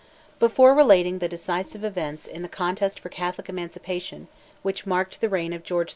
Before relating the decisive events in the contest for Catholic Emancipation, which marked the reign of George IV.